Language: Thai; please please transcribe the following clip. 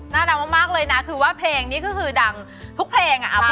น่ารักมากเลยนะคือว่าเพลงนี้ก็คือดังทุกเพลงอะ